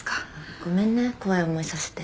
ごめんね怖い思いさせて。